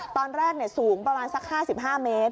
ตอนแรกสูงประมาณสัก๕๕เมตร